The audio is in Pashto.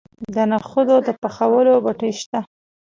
د نخودو د پخولو بټۍ شته.